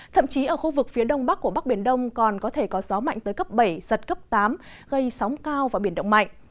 thậm chí ở khu vực phía đông bắc của bắc biển đông còn có thể có gió mạnh tới cấp bảy giật cấp tám gây sóng cao và biển động mạnh